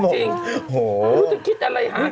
โอ้โฮเห็นรู้จะคิดอะไรฮะ